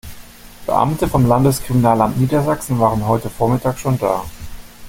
Beamte vom Landeskriminalamt Niedersachsen waren heute Vormittag schon da.